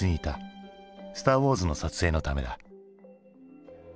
「スター・ウォーズ」の撮影のためだ。